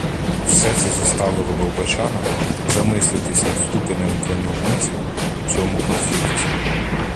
Все це заставило Болбочана замислитись над ступенем вини німців у цьому конфлікті.